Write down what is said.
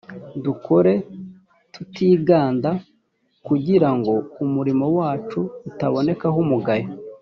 dukore tutiganda, kugira ngo umurimo wacu utabonekaho umugayo